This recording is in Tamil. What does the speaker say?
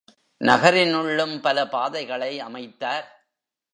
நகரினுள்ளும் பல பாதைகளை அமைத்தார்.